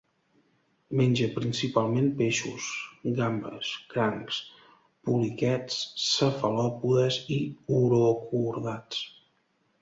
Menja principalment peixos, gambes, crancs, poliquets, cefalòpodes i urocordats.